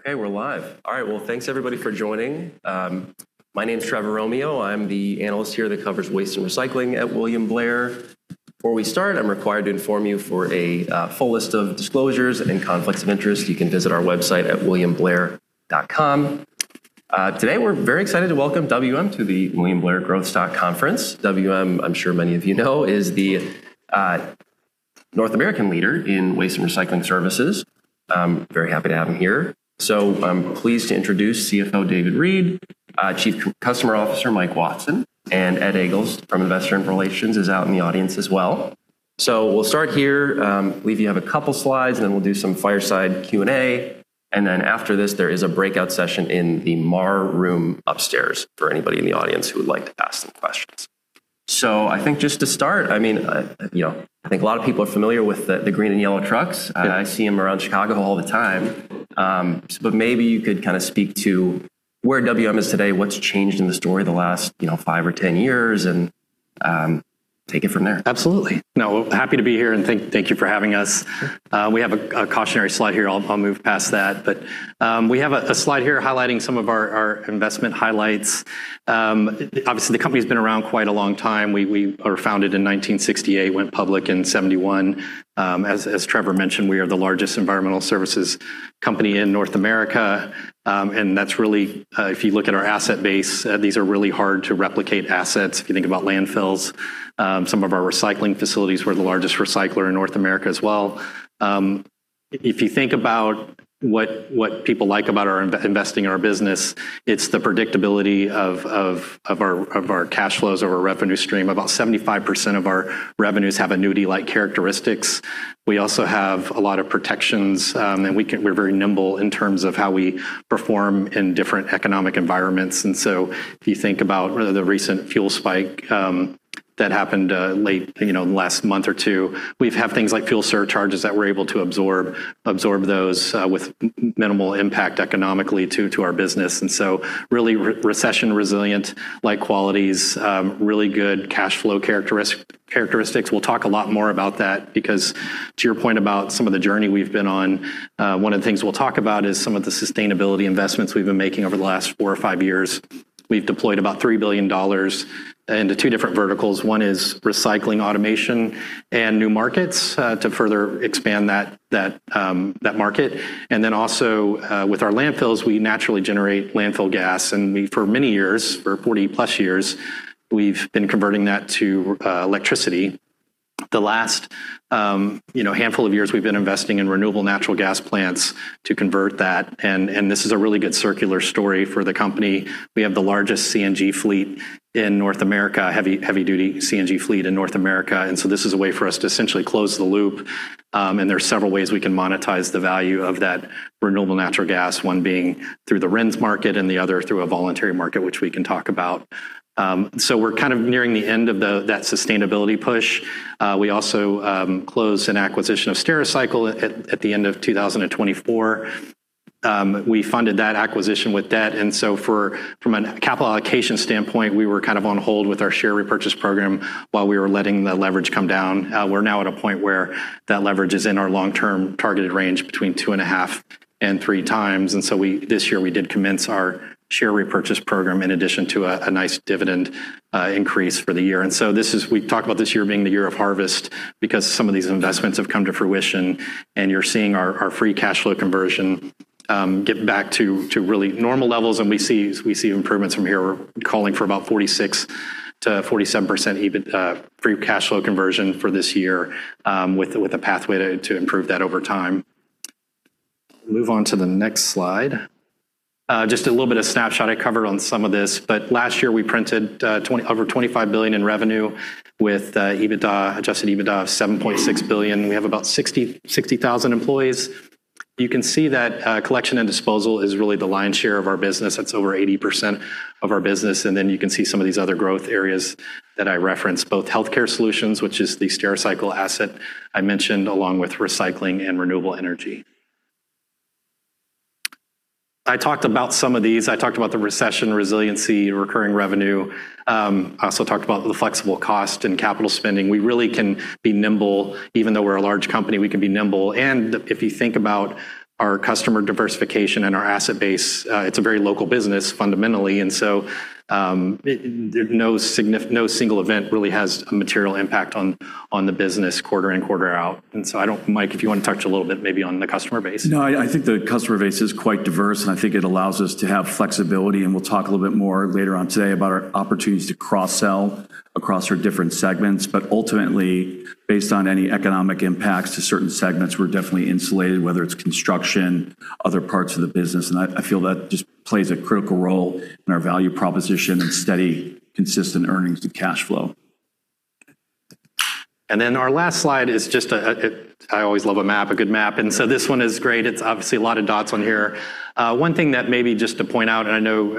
Okay, we're live. All right. Well, thanks everybody for joining. My name's Trevor Romeo. I'm the analyst here that covers waste and recycling at William Blair. Before we start, I'm required to inform you for a full list of disclosures and conflicts of interest, you can visit our website at williamblair.com. Today, we're very excited to welcome WM to the William Blair Growth Stock Conference. WM, I'm sure many of you know, is the North American leader in waste and recycling services. I'm very happy to have him here. I'm pleased to introduce CFO David Reed, Chief Customer Officer Mike Watson, and Ed Egl from Investor Relations is out in the audience as well. We'll start here. We have a couple of slides, and then we'll do some fireside Q&A. After this, there is a breakout session in the Mar room upstairs for anybody in the audience who would like to ask some questions. I think just to start, I think a lot of people are familiar with the green and yellow trucks. Yeah. I see them around Chicago all the time. Maybe you could speak to where WM is today, what's changed in the story the last five or 10 years, and take it from there. Absolutely. No, happy to be here, and thank you for having us. We have a cautionary slide here. I'll move past that. We have a slide here highlighting some of our investment highlights. Obviously, the company's been around quite a long time. We were founded in 1968, went public in 1971. As Trevor mentioned, we are the largest environmental services company in North America. If you look at our asset base, these are really hard-to-replicate assets. If you think about landfills, some of our recycling facilities, we're the largest recycler in North America as well. If you think about what people like about investing in our business, it's the predictability of our cash flows or our revenue stream. About 75% of our revenues have annuity-like characteristics. We also have a lot of protections, and we're very nimble in terms of how we perform in different economic environments. If you think about the recent fuel spike that happened in the last month or two, we've had things like fuel surcharges that we're able to absorb those with minimal impact economically too, to our business. Really recession-resilient-like qualities, really good cash flow characteristics. We'll talk a lot more about that because to your point about some of the journey we've been on, one of the things we'll talk about is some of the sustainability investments we've been making over the last four or five years. We've deployed about $3 billion into two different verticals. One is recycling automation and new markets, to further expand that market. Also, with our landfills, we naturally generate landfill gas, and for many years, for 40+ years, we've been converting that to electricity. The last handful of years, we've been investing in renewable natural gas plants to convert that, and this is a really good circular story for the company. We have the largest CNG fleet in North America, heavy-duty CNG fleet in North America, and so this is a way for us to essentially close the loop. There are several ways we can monetize the value of that renewable natural gas, one being through the RINs market and the other through a voluntary market, which we can talk about. We're nearing the end of that sustainability push. We also closed an acquisition of Stericycle at the end of 2024. We funded that acquisition with debt, and so from a capital allocation standpoint, we were on hold with our share repurchase program while we were letting the leverage come down. We're now at a point where that leverage is in our long-term targeted range between 2.5 and 3x. This year, we did commence our share repurchase program in addition to a nice dividend increase for the year. We talk about this year being the year of harvest because some of these investments have come to fruition, and you're seeing our free cash flow conversion get back to really normal levels, and we see improvements from here. We're calling for about 46%-47% EBIT free cash flow conversion for this year with a pathway to improve that over time. Move on to the next slide. Just a little bit of snapshot. I covered some of this. Last year, we printed over $25 billion in revenue with Adjusted EBITDA of $6.6 billion. We have about 60,000 employees. You can see that Collection and Disposal is really the lion's share of our business. That's over 80% of our business, and then you can see some of these other growth areas that I referenced, both Healthcare Solutions, which is the Stericycle asset I mentioned, along with recycling and renewable energy. I talked about some of these. I talked about the recession resiliency, recurring revenue. I also talked about the flexible cost and capital spending. We really can be nimble. Even though we're a large company, we can be nimble. If you think about our customer diversification and our asset base, it's a very local business, fundamentally, and so no single event really has a material impact on the business quarter in, quarter out. Mike, if you want to touch a little bit maybe on the customer base. No, I think the customer base is quite diverse, and I think it allows us to have flexibility, and we'll talk a little bit more later on today about our opportunities to cross-sell across our different segments. Ultimately, based on any economic impacts to certain segments, we're definitely insulated, whether it's construction, other parts of the business, and I feel that just plays a critical role in our value proposition and steady, consistent earnings to cash flow. Our last slide is just, I always love a good map, this one is great. It's obviously a lot of dots on here. One thing that maybe just to point out,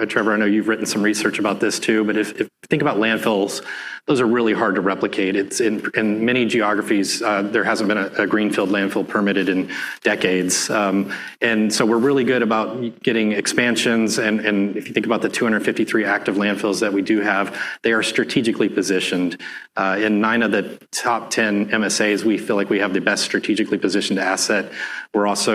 Trevor, I know you've written some research about this too, if you think about landfills, those are really hard to replicate. In many geographies, there hasn't been a greenfield landfill permitted in decades. We're really good about getting expansions, if you think about the 253 active landfills that we do have, they are strategically positioned. In nine of the top 10 MSAs, we feel like we have the best strategically positioned asset. As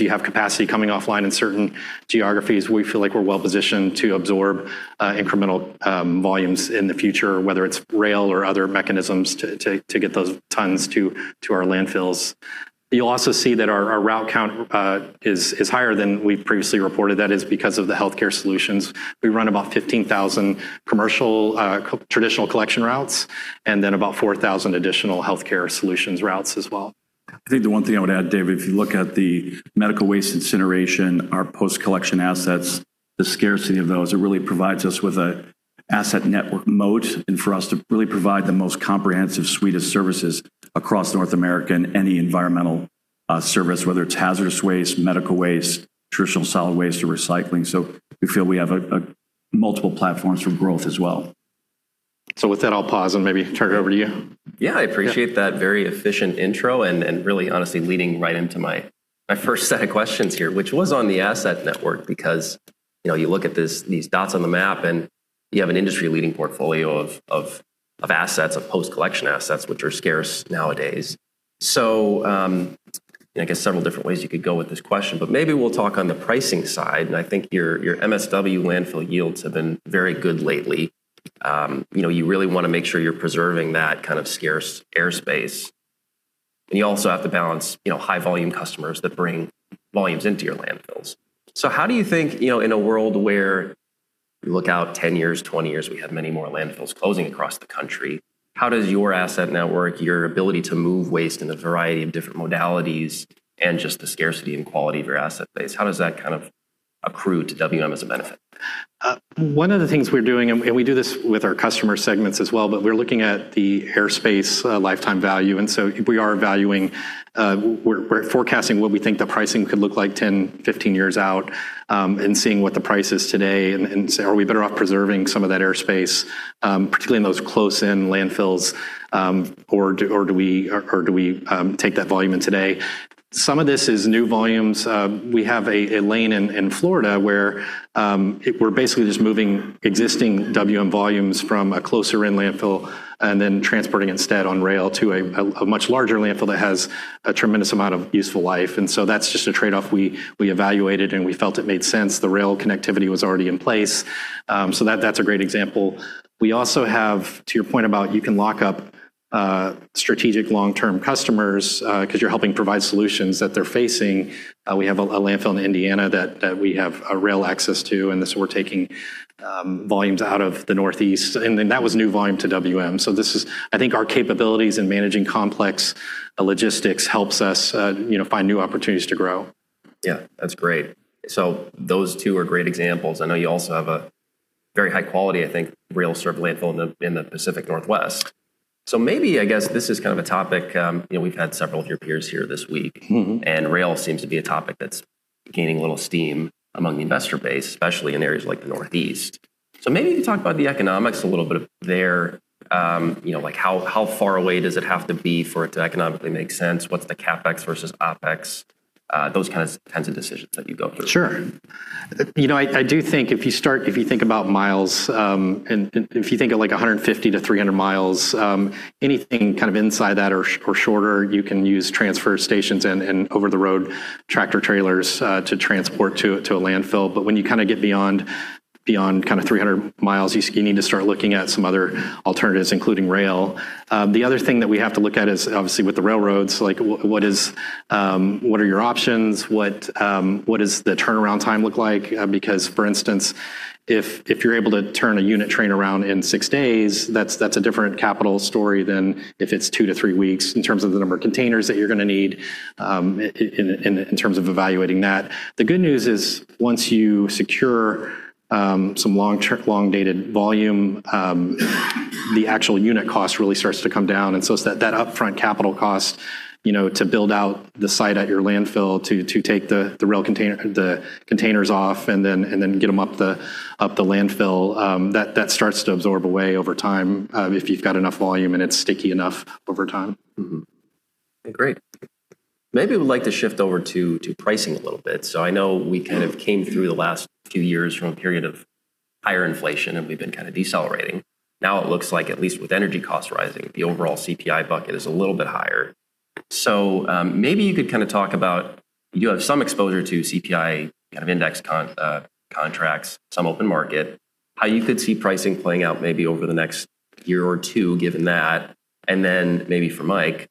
you have capacity coming offline in certain geographies, we feel like we're well-positioned to absorb incremental volumes in the future, whether it's rail or other mechanisms to get those tons to our landfills. You'll also see that our route count is higher than we've previously reported. That is because of the Healthcare Solutions. We run about 15,000 commercial, traditional collection routes, and then about 4,000 additional Healthcare Solutions routes as well. I think the one thing I would add, David, if you look at the medical waste incineration, our post-collection assets, the scarcity of those, it really provides us with an asset network moat and for us to really provide the most comprehensive suite of services across North America in any environmental service, whether it's hazardous waste, medical waste, traditional solid waste, or recycling. We feel we have multiple platforms for growth as well. With that, I'll pause and maybe turn it over to you. I appreciate that very efficient intro and really honestly leading right into my first set of questions here, which was on the asset network because you look at these dots on the map and you have an industry-leading portfolio of post-collection assets, which are scarce nowadays. I guess, several different ways you could go with this question, but maybe we'll talk on the pricing side, and I think your MSW landfill yields have been very good lately. You really want to make sure you're preserving that kind of scarce airspace. You also have to balance high-volume customers that bring volumes into your landfills. How do you think, in a world where we look out 10 years, 20 years, we have many more landfills closing across the country, how does your asset network, your ability to move waste in a variety of different modalities and just the scarcity and quality of your asset base, how does that kind of accrue to WM as a benefit? One of the things we're doing, we do this with our customer segments as well, we're looking at the airspace lifetime value, we're forecasting what we think the pricing could look like 10, 15 years out, and seeing what the price is today and say, are we better off preserving some of that airspace, particularly in those close-in landfills, or do we take that volume in today? Some of this is new volumes. We have a lane in Florida where we're basically just moving existing WM volumes from a closer in landfill and then transporting instead on rail to a much larger landfill that has a tremendous amount of useful life. That's just a trade-off we evaluated, and we felt it made sense. The rail connectivity was already in place. That's a great example. We also have, to your point about you can lock up strategic long-term customers because you're helping provide solutions that they're facing. We have a landfill in Indiana that we have a rail access to, and so we're taking volumes out of the Northeast. That was new volume to WM. I think our capabilities in managing complex logistics helps us find new opportunities to grow. Yeah, that's great. Those two are great examples. I know you also have a very high quality, I think, rail-served landfill in the Pacific Northwest. Maybe, I guess this is kind of a topic, we've had several of your peers here this week. Rail seems to be a topic that's gaining a little steam among the investor base, especially in areas like the Northeast. Maybe you talk about the economics a little bit there. How far away does it have to be for it to economically make sense? What's the CapEx versus OpEx? Those kinds of decisions that you go through. Sure. I do think if you think about miles, and if you think of 150 to 300 mi, anything inside that or shorter, you can use transfer stations and over-the-road tractor-trailers to transport to a landfill. When you get beyond 300 mi, you need to start looking at some other alternatives, including rail. The other thing that we have to look at is obviously with the railroads, what are your options? What does the turnaround time look like? For instance, if you're able to turn a unit train around in six days, that's a different capital story than if it's two to three weeks in terms of the number of containers that you're going to need in terms of evaluating that. The good news is once you secure some long-dated volume, the actual unit cost really starts to come down. It's that upfront capital cost to build out the site at your landfill to take the containers off and then get them up the landfill. That starts to absorb away over time if you've got enough volume and it's sticky enough over time. Mm-hmm. Great. Maybe I would like to shift over to pricing a little bit. I know we came through the last few years from a period of higher inflation, and we've been decelerating. Now it looks like at least with energy costs rising, the overall CPI bucket is a little bit higher. Maybe you could talk about, you have some exposure to CPI index contracts, some open market, how you could see pricing playing out maybe over the next year or two, given that. Then maybe for Mike,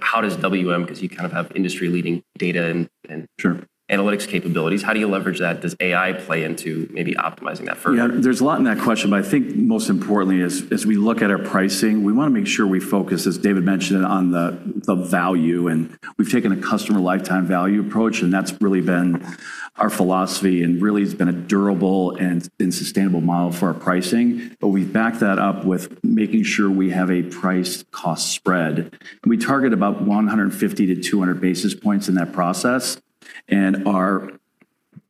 how does WM, because you have industry-leading data and- Sure. ...analytics capabilities, how do you leverage that? Does AI play into maybe optimizing that further? Yeah, there's a lot in that question, I think most importantly is as we look at our pricing, we want to make sure we focus, as David mentioned, on the value, and we've taken a customer lifetime value approach, and that's really been our philosophy and really has been a durable and sustainable model for our pricing. We back that up with making sure we have a price-cost spread. We target about 150-200 basis points in that process and our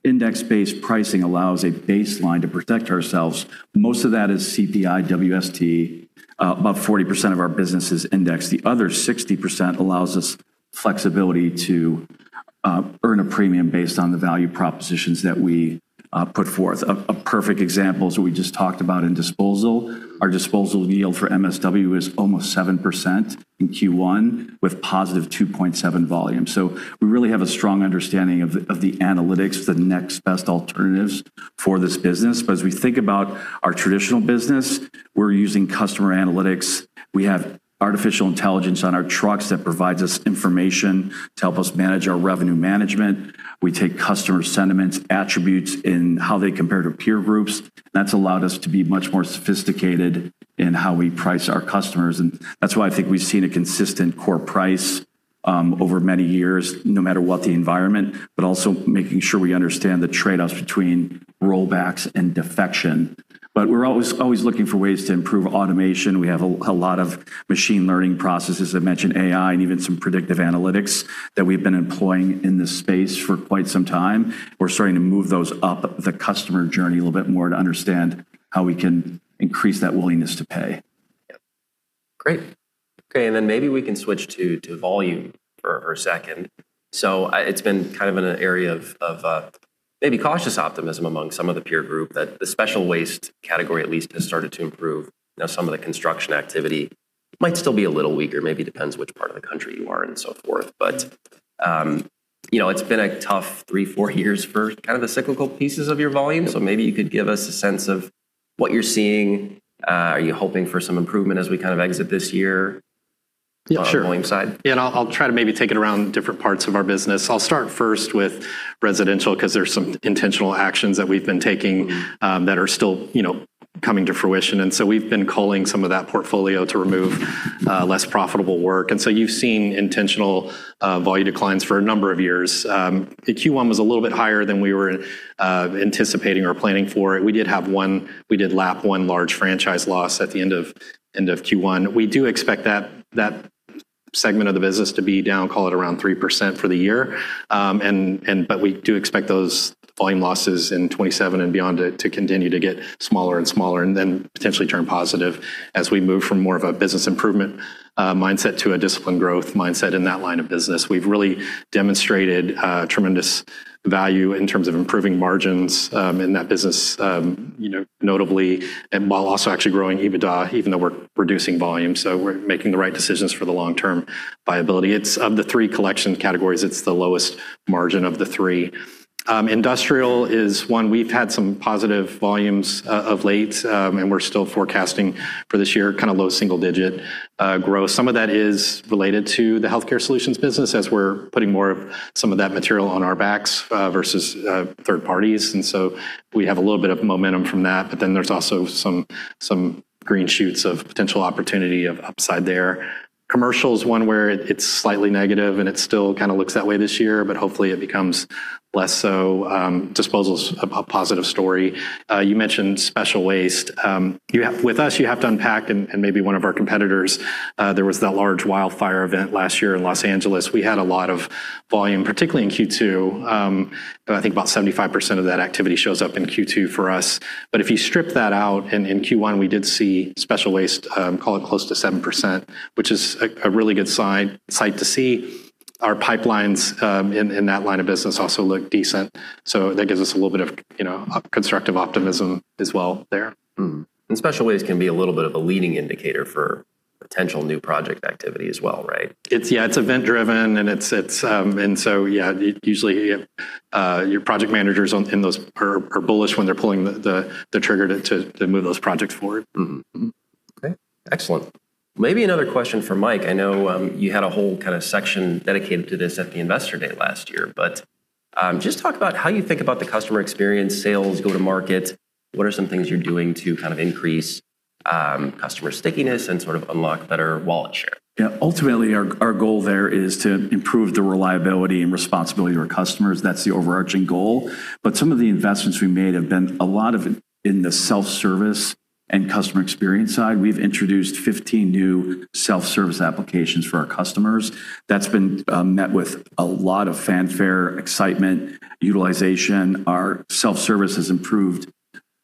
index-based pricing allows a baseline to protect ourselves. Most of that is CPI, WST, about 40% of our business is indexed. The other 60% allows us flexibility to earn a premium based on the value propositions that we put forth. A perfect example is what we just talked about in disposal. Our disposal yield for MSW is almost 7% in Q1 with +2.7 volume. We really have a strong understanding of the analytics, the next best alternatives for this business. As we think about our traditional business, we're using customer analytics. We have artificial intelligence on our trucks that provides us information to help us manage our revenue management. We take customer sentiments, attributes in how they compare to peer groups, and that's allowed us to be much more sophisticated in how we price our customers. That's why I think we've seen a consistent core price over many years, no matter what the environment, but also making sure we understand the trade-offs between rollbacks and defection. We're always looking for ways to improve automation. We have a lot of machine learning processes. I mentioned AI and even some predictive analytics that we've been employing in this space for quite some time. We're starting to move those up the customer journey a little bit more to understand how we can increase that willingness to pay. Yep. Great. Okay, maybe we can switch to volume for a second. It's been an area of maybe cautious optimism among some of the peer group that the special waste category at least has started to improve. Now, some of the construction activity might still be a little weaker, maybe depends which part of the country you are and so forth. It's been a tough three, four years for the cyclical pieces of your volume. Maybe you could give us a sense of what you're seeing. Are you hoping for some improvement as we exit this year? Yeah, sure. On the volume side? Yeah, I'll try to maybe take it around different parts of our business. I'll start first with residential because there's some intentional actions that we've been taking that are still coming to fruition. We've been culling some of that portfolio to remove less profitable work. You've seen intentional volume declines for a number of years. Q1 was a little bit higher than we were anticipating or planning for it. We did lap one large franchise loss at the end of Q1. We do expect that segment of the business to be down, call it around 3% for the year. We do expect those volume losses in 2027 and beyond to continue to get smaller and smaller and then potentially turn positive as we move from more of a business improvement mindset to a disciplined growth mindset in that line of business. We've really demonstrated tremendous value in terms of improving margins in that business, notably, and while also actually growing EBITDA, even though we're reducing volume. We're making the right decisions for the long-term viability. Of the three collection categories, it's the lowest margin of the three. Industrial is one. We've had some positive volumes of late. We're still forecasting for this year low single-digit growth. Some of that is related to the Healthcare Solutions business as we're putting more of some of that material on our backs versus third parties. We have a little bit of momentum from that. There's also some green shoots of potential opportunity of upside there. Commercial's one where it's slightly negative, and it still looks that way this year, but hopefully it becomes less so. Disposal's a positive story. You mentioned special waste. With us, you have to unpack and maybe one of our competitors, there was that large wildfire event last year in Los Angeles. We had a lot of volume, particularly in Q2, but I think about 75% of that activity shows up in Q2 for us. If you strip that out and in Q1, we did see special waste, call it close to 7%, which is a really good sight to see. Our pipelines in that line of business also look decent, so that gives us a little bit of constructive optimism as well there. Special waste can be a little bit of a leading indicator for potential new project activity as well, right? Yeah, it's event-driven, and so yeah, usually your project managers in those are bullish when they're pulling the trigger to move those projects forward. Okay. Excellent. Maybe another question for Mike. I know you had a whole section dedicated to this at the investor day last year, but just talk about how you think about the customer experience, sales, go-to-market. What are some things you're doing to increase customer stickiness and sort of unlock better wallet share? Yeah. Ultimately, our goal there is to improve the reliability and responsibility to our customers. That's the overarching goal. Some of the investments we made have been a lot of in the self-service and customer experience side. We've introduced 15 new self-service applications for our customers. That's been met with a lot of fanfare, excitement, utilization. Our self-service has improved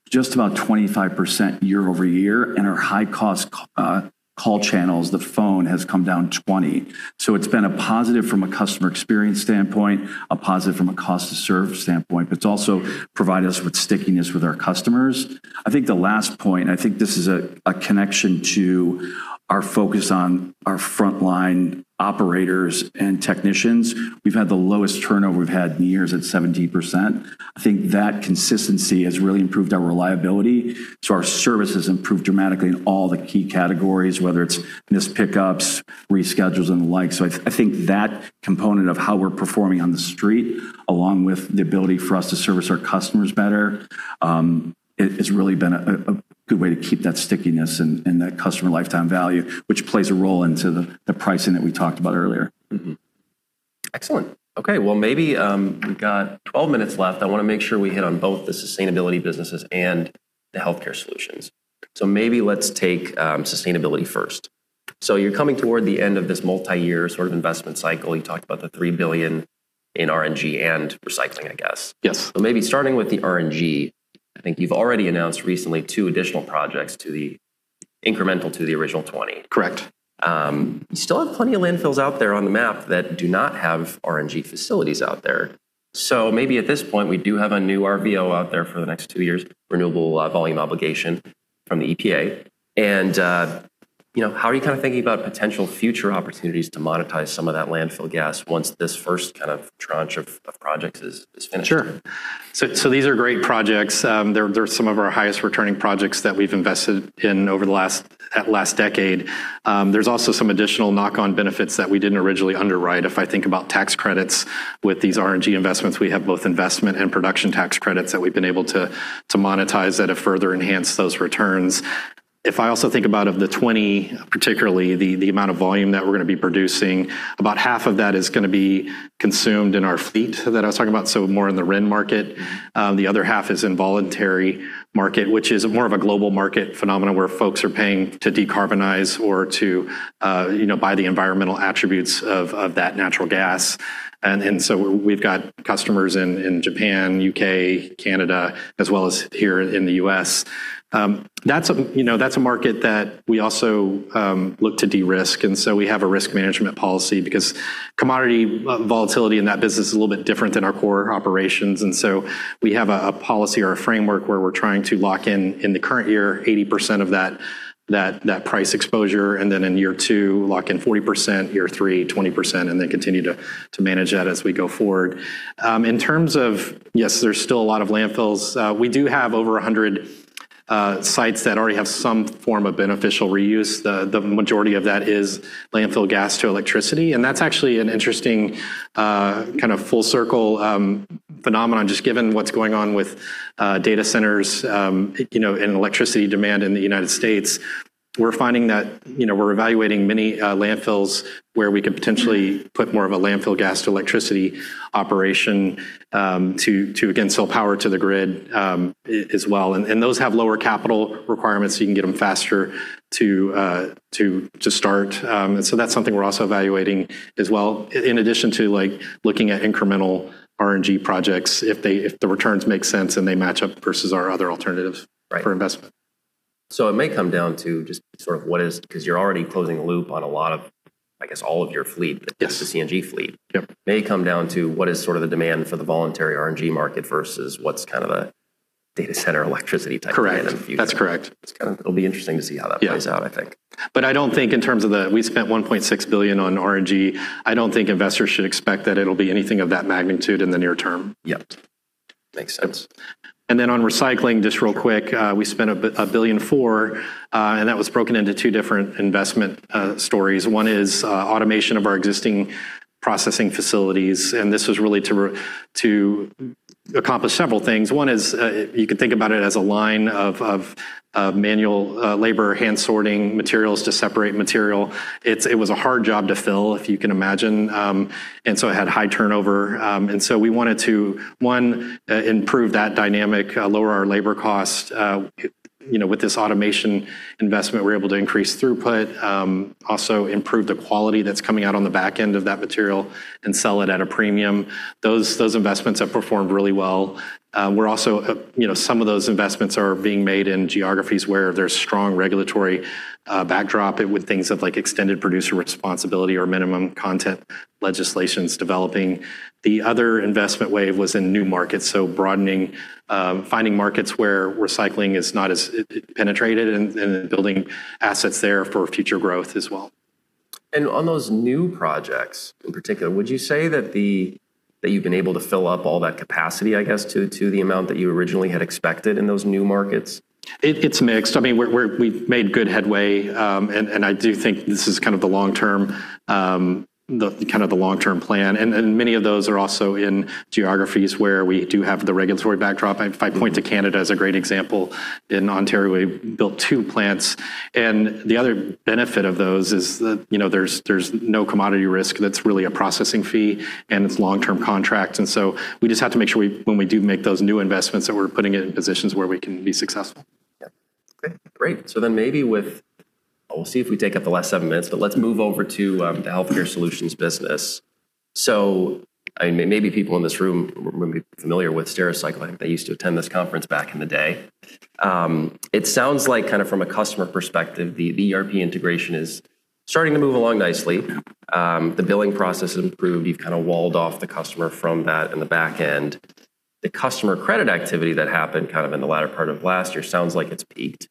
just about 25% year-over-year, and our high-cost call channels, the phone, has come down 20%. It's been a positive from a customer experience standpoint, a positive from a cost to serve standpoint, but it's also provided us with stickiness with our customers. I think the last point, I think this is a connection to our focus on our frontline operators and technicians. We've had the lowest turnover we've had in years at 17%. I think that consistency has really improved our reliability. Our service has improved dramatically in all the key categories, whether it's missed pickups, reschedules, and the like. I think that component of how we're performing on the street, along with the ability for us to service our customers better, has really been a good way to keep that stickiness and that customer lifetime value, which plays a role into the pricing that we talked about earlier. Excellent. Okay. We've got 12 minutes left. I want to make sure we hit on both the sustainability businesses and the Healthcare Solutions. Maybe let's take sustainability first. You're coming toward the end of this multi-year investment cycle. You talked about the $3 billion in RNG and recycling, I guess. Yes. Maybe starting with the RNG, I think you've already announced recently two additional projects incremental to the original 20. Correct. You still have plenty of landfills out there on the map that do not have RNG facilities out there. Maybe at this point, we do have a new RVO out there for the next two years, Renewable Volume Obligation from the EPA. How are you thinking about potential future opportunities to monetize some of that landfill gas once this first tranche of projects is finished? Sure. These are great projects. They're some of our highest returning projects that we've invested in over the last decade. There's also some additional knock-on benefits that we didn't originally underwrite. If I think about tax credits with these RNG investments, we have both investment and production tax credits that we've been able to monetize that have further enhanced those returns. I also think about of the 20, particularly the amount of volume that we're going to be producing, about half of that is going to be consumed in our fleet that I was talking about, so more in the RIN market. The other half is in voluntary market, which is more of a global market phenomenon where folks are paying to decarbonize or to buy the environmental attributes of that natural gas. We've got customers in Japan, U.K., Canada, as well as here in the U.S. That's a market that we also look to de-risk, and so we have a risk management policy because commodity volatility in that business is a little bit different than our core operations. We have a policy or a framework where we're trying to lock in the current year, 80% of that price exposure, and then in year two, lock in 40%, year three, 20%, and then continue to manage that as we go forward. In terms of, yes, there's still a lot of landfills. We do have over 100 sites that already have some form of beneficial reuse. The majority of that is landfill gas to electricity, and that's actually an interesting, full circle phenomenon, just given what's going on with data centers and electricity demand in the United States. We're finding that we're evaluating many landfills where we could potentially put more of a landfill gas to electricity operation to, again, sell power to the grid as well. Those have lower capital requirements. You can get them faster to start. That's something we're also evaluating as well, in addition to looking at incremental RNG projects if the returns make sense and they match up versus our other alternatives- Right. ...for investment. It may come down to just what is. You're already closing the loop on a lot of, I guess all of your fleet. Yes. The CNG fleet. Yep. May come down to what is the demand for the voluntary RNG market versus what's a data center electricity type- Correct. ...demand in the future. That's correct. It'll be interesting to see how that plays out, I think. We spent $1.6 billion on RNG. I don't think investors should expect that it'll be anything of that magnitude in the near term. Yep. Makes sense. Then on recycling, just real quick, we spent $1.4 billion, and that was broken into two different investment stories. One is automation of our existing processing facilities, and this was really to accomplish several things. One is, you could think about it as a line of manual labor, hand sorting materials to separate material. It was a hard job to fill, if you can imagine. It had high turnover. We wanted to, one, improve that dynamic, lower our labor cost. With this automation investment, we're able to increase throughput. Also improve the quality that's coming out on the back end of that material and sell it at a premium. Those investments have performed really well. Some of those investments are being made in geographies where there's strong regulatory backdrop with things of Extended Producer Responsibility or minimum content legislation developing. The other investment wave was in new markets, so broadening, finding markets where recycling is not as penetrated, and then building assets there for future growth as well. On those new projects in particular, would you say that you've been able to fill up all that capacity, I guess, to the amount that you originally had expected in those new markets? It's mixed. We've made good headway. I do think this is the long-term plan. Many of those are also in geographies where we do have the regulatory backdrop. If I point to Canada as a great example. In Ontario, we built two plants. The other benefit of those is there's no commodity risk. That's really a processing fee, and it's long-term contracts. We just have to make sure when we do make those new investments, that we're putting it in positions where we can be successful. Yeah. Okay, great. Maybe with We'll see if we take up the last seven minutes, but let's move over to the Healthcare Solutions business. Maybe people in this room will be familiar with Stericycle if they used to attend this conference back in the day. It sounds like from a customer perspective, the ERP integration is starting to move along nicely. Yeah. The billing process has improved. You've walled off the customer from that in the back end. The customer credit activity that happened in the latter part of last year sounds like it's peaked.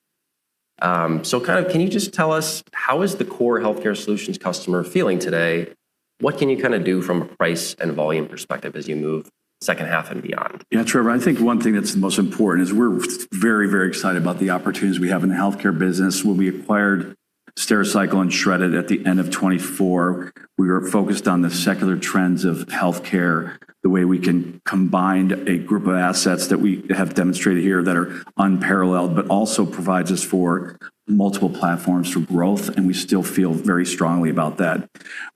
Can you just tell us how is the core Healthcare Solutions customer feeling today? What can you do from a price and volume perspective as you move second half and beyond? Yeah, Trevor, I think one thing that's the most important is we're very excited about the opportunities we have in the healthcare business. When we acquired Stericycle and Shred-it at the end of 2024, we were focused on the secular trends of healthcare, the way we can combine a group of assets that we have demonstrated here that are unparalleled, but also provides us for multiple platforms for growth, and we still feel very strongly about that.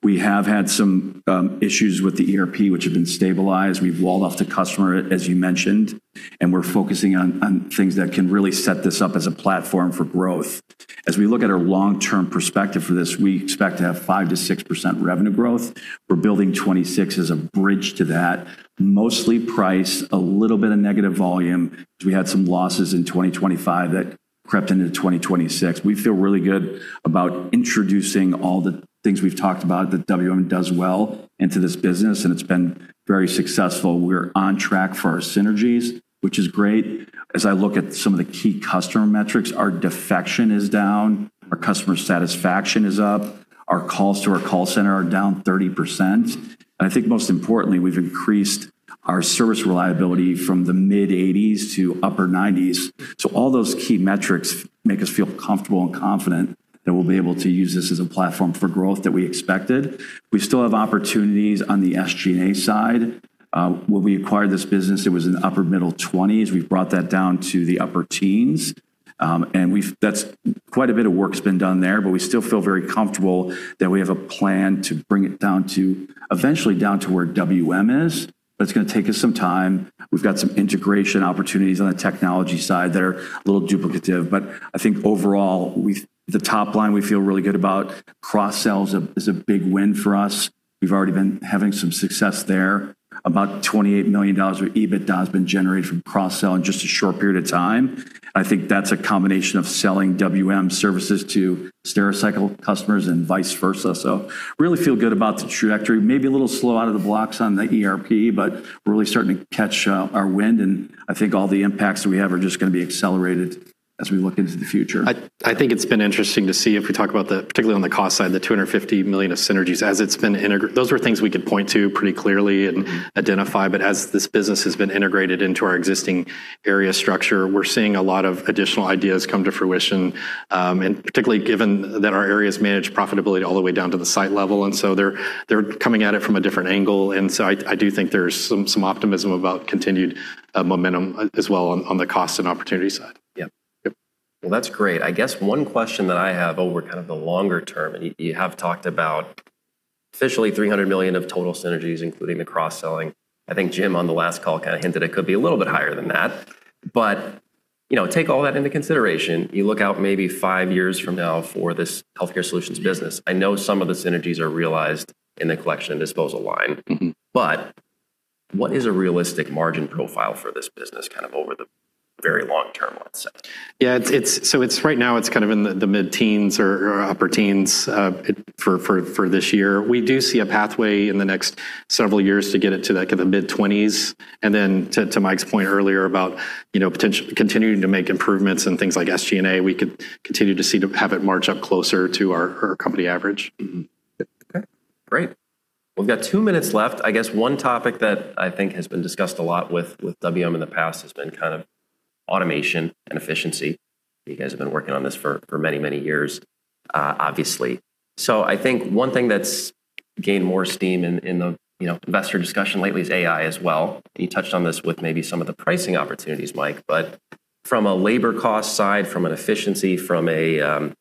We have had some issues with the ERP, which have been stabilized. We've walled off the customer, as you mentioned, and we're focusing on things that can really set this up as a platform for growth. We look at our long-term perspective for this, we expect to have 5%-6% revenue growth. We're building 2026 as a bridge to that, mostly price, a little bit of negative volume. We had some losses in 2025 that crept into 2026. We feel really good about introducing all the things we've talked about that WM does well into this business, and it's been very successful. We're on track for our synergies, which is great. I look at some of the key customer metrics, our defection is down, our customer satisfaction is up, our calls to our call center are down 30%, and I think most importantly, we've increased our service reliability from the mid-80s to upper 90s. All those key metrics make us feel comfortable and confident that we'll be able to use this as a platform for growth that we expected. We still have opportunities on the SG&A side. When we acquired this business, it was in upper middle 20s. We've brought that down to the upper teens. Quite a bit of work's been done there, but we still feel very comfortable that we have a plan to bring it eventually down to where WM is, but it's going to take us some time. We've got some integration opportunities on the technology side that are a little duplicative, but I think overall, the top line we feel really good about. Cross-sell is a big win for us. We've already been having some success there. About $28 million of EBITDA has been generated from cross-sell in just a short period of time. I think that's a combination of selling WM services to Stericycle customers and vice versa. Really feel good about the trajectory. Maybe a little slow out of the blocks on the ERP, but we're really starting to catch our wind, and I think all the impacts that we have are just going to be accelerated as we look into the future. I think it's been interesting to see, if we talk about the, particularly on the cost side, the $250 million of synergies. Those were things we could point to pretty clearly and identify. As this business has been integrated into our existing area structure, we're seeing a lot of additional ideas come to fruition, particularly given that our areas manage profitability all the way down to the site level. They're coming at it from a different angle. I do think there's some optimism about continued momentum as well on the cost and opportunity side. Yep. Yep. Well, that's great. I guess one question that I have over kind of the longer term, and you have talked about officially $300 million of total synergies, including the cross-selling. I think Jim, on the last call, kind of hinted it could be a little bit higher than that. Take all that into consideration. You look out maybe five years from now for this Healthcare Solutions business. I know some of the synergies are realized in the Collection and Disposal line. What is a realistic margin profile for this business over the very long term, let's say? Yeah. Right now, it's kind of in the mid-teens or upper teens for this year. We do see a pathway in the next several years to get it to the mid-20s, and then to Mike's point earlier about continuing to make improvements in things like SG&A, we could continue to have it march up closer to our company average. Okay, great. We've got two minutes left. I guess, one topic that I think has been discussed a lot with WM in the past has been automation and efficiency. You guys have been working on this for many, many years, obviously. I think one thing that's gained more steam in the investor discussion lately is AI as well. You touched on this with maybe some of the pricing opportunities, Mike. From a labor cost side, from an efficiency, from a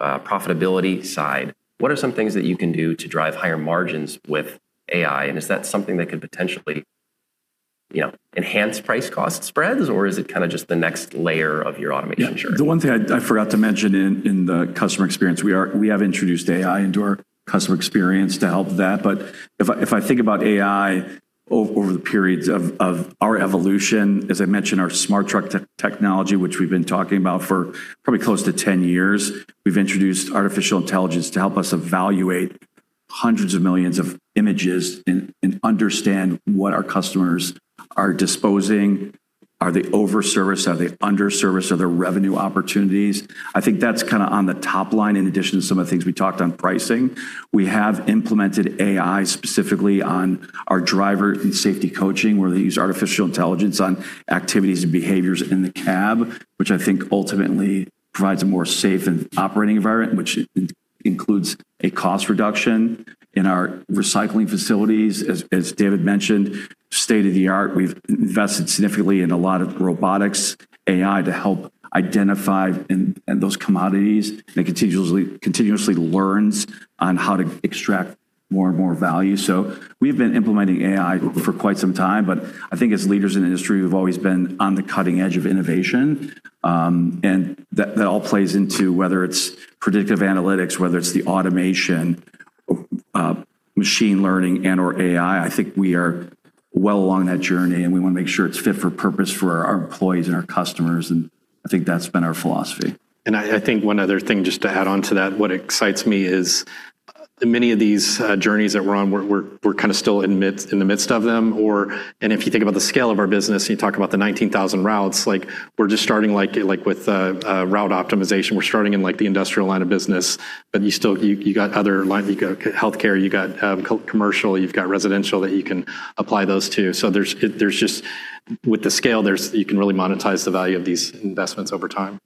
profitability side, what are some things that you can do to drive higher margins with AI, and is that something that could potentially enhance price-cost spreads, or is it kind of just the next layer of your automation journey? The one thing I forgot to mention in the customer experience, we have introduced AI into our customer experience to help with that. If I think about AI over the periods of our evolution, as I mentioned, our smart truck technology, which we've been talking about for probably close to 10 years, we've introduced artificial intelligence to help us evaluate hundreds of millions of images and understand what our customers are disposing. Are they over-serviced, are they under-serviced? Are there revenue opportunities? I think that's kind of on the top line, in addition to some of the things we talked on pricing. We have implemented AI specifically on our driver and safety coaching, where they use artificial intelligence on activities and behaviors in the cab, which I think ultimately provides a more safe operating environment, which includes a cost reduction in our recycling facilities. As David mentioned, state-of-the-art. We've invested significantly in a lot of robotics, AI to help identify those commodities, and it continuously learns on how to extract more and more value. We've been implementing AI for quite some time, but I think as leaders in the industry, we've always been on the cutting edge of innovation. That all plays into whether it's predictive analytics, whether it's the automation, machine learning, and/or AI. I think we are well along that journey, and we want to make sure it's fit for purpose for our employees and our customers, and I think that's been our philosophy. I think one other thing, just to add on to that, what excites me is many of these journeys that we're on, we're kind of still in the midst of them. If you think about the scale of our business and you talk about the 19,000 routes, we're just starting with route optimization. We're starting in the industrial line of business, you got other line. You got healthcare, you got commercial, you've got residential that you can apply those to. With the scale, you can really monetize the value of these investments over time.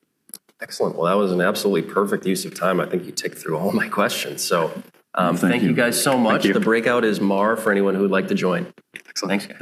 Excellent. Well, that was an absolutely perfect use of time. I think you ticked through all my questions. Thank you. Thank you guys so much. Thank you. The breakout is Mar for anyone who would like to join. Excellent. Thanks, guys.